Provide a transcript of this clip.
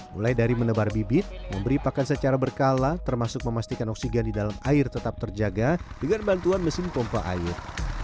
mulai dari menebar bibit memberi pakan secara berkala termasuk memastikan oksigen di dalam air tetap terjaga dengan bantuan mesin pompa air